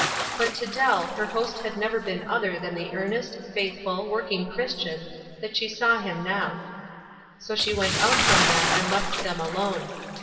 But to Dell her host had never been other than the earnest, faithful, working Christian that she saw him now 7 . So she went out from them and left them alone.